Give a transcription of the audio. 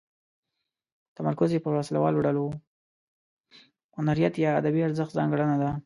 هنریت یا ادبي ارزښت ځانګړنه ده.